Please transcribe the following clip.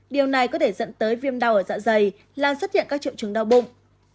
điều này có thể dẫn tới viêm đau ở dạ dày làm xuất hiện các triệu chứng đau bụng